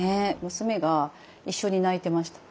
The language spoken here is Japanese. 娘が一緒に泣いてました。